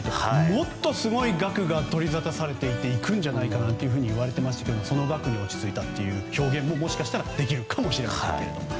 もっとすごい額が取りざたされていていくんじゃないかといわれていましたがその額に落ち着いたという表現も、もしかしたらできるかもしれません。